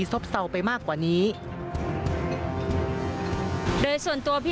บริเวณหน้าสารพระการอำเภอเมืองจังหวัดลบบุรี